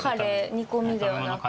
煮込みではなく。